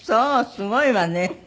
すごいわね！